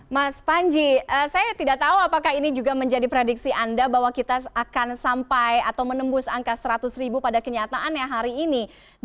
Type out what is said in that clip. mas panji saya tidak tahu apakah ini juga menjadi prediksi anda bahwa kita akan sampai atau menembus angka seratus ribu pada kenyataannya hari ini